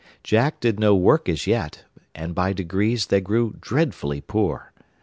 Jack did no work as yet, and by degrees they grew dreadfully poor.